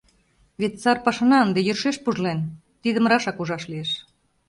Вет сар пашана ынде йӧршеш пужлен, тидым рашак ужаш лиеш.